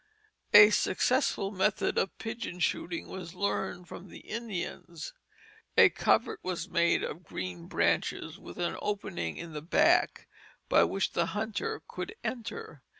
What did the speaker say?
A successful method of pigeon shooting was learned from the Indians. A covert was made of green branches with an opening in the back by which the hunter could enter.